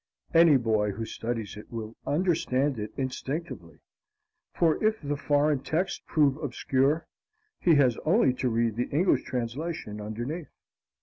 Any boy who studies it will understand it instinctively; for if the foreign text prove obscure, he has only to read the English translation underneath.